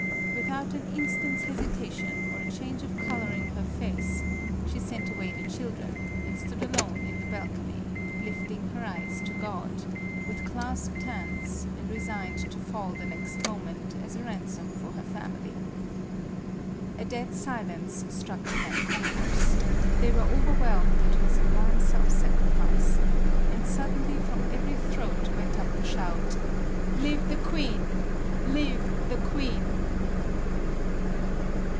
Without an instant's hesitation, or a change of color in her face, she sent away the children, and stood alone in the balcony, lifting her eyes to God, with clasped hands, and resigned to fall the next mo ment as a ransom for her family. A dead silence struck the mad concourse; they were overwhelmed at her sublime self sacrifice, and suddenly from every throat went up the shout, " Live the queen !— live the queen